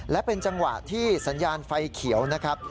และเป็นจังหวะที่สัญญาณไฟเขียวนะครับ